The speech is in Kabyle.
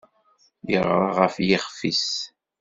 Yeɣra ɣef yixef-is.